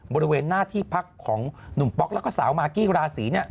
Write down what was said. บริเวณหน้าที่พักของหนุ่มป๊อกแล้วก็สาวมากกี้ราศี